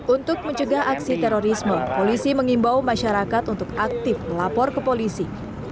untuk mencegah aksi terorisme polisi mengimbau masyarakat untuk aktif melapor ke polisi